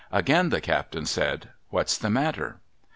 Again the captain said, ' What's the matter?